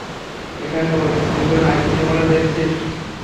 ওখানে দুজন আইসক্রিমওয়ালা দেখছিস?